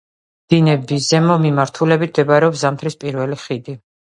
დინების ზემო მიმართულებით მდებარეობს ზამთრის პირველი ხიდი.